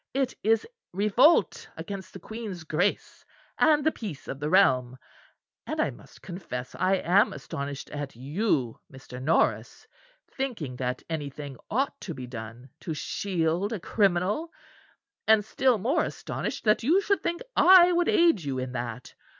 It is revolt against the Queen's Grace and the peace of the realm. And I must confess I am astonished at you, Mr. Norris, thinking that anything ought to be done to shield a criminal, and still more astonished that you should think I would aid you in that.